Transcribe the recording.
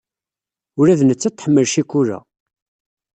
Ula d nettat tḥemmel ccikula.